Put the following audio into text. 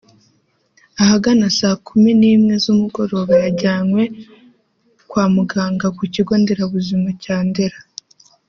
ahagana saa kumi nimwe z’umugoroba yajyanywe kwa Muganga ku kigo Nderabuzima cya Ndera